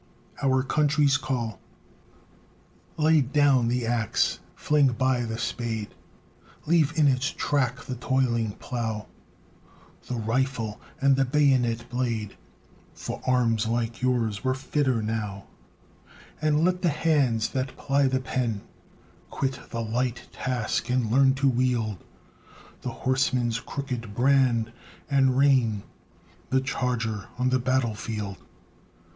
OUR COUNTRY'S CALL Lay down the axe; fling by the spade; Leave in its track the toiling plough; The rifle and the bayonet blade For arms like yours were fitter now; And let the hands that ply the pen Quit the light task, and learn to wield The horseman's crooked brand, and rein The charger on the battle field.